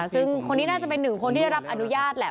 ซึ่งคนนี้น่าจะเป็นหนึ่งคนที่ได้รับอนุญาตแหละ